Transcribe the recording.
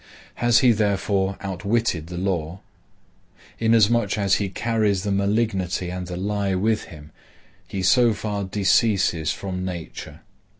Has he therefore outwitted the law? Inasmuch as he carries the malignity and the lie with him he so far deceases from nature.